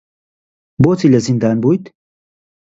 بۆچی لە زیندان بوویت؟